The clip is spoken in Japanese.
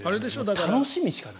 楽しみしかない。